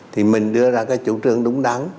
thì mình đưa ra cái chủ trương đúng đắn